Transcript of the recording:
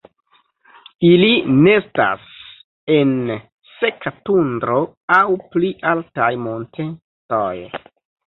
Ili nestas en seka tundro aŭ pli altaj montetoj.